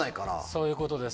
そういうことです。